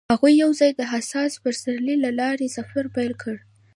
هغوی یوځای د حساس پسرلی له لارې سفر پیل کړ.